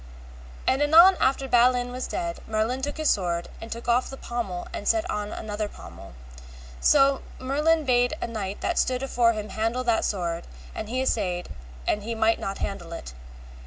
And anon after Balin was dead, Merlin took his sword, and took off the pommel and set on another pommel. So Merlin bade a knight that stood afore him handle that sword, and he assayed, and he might not handle it.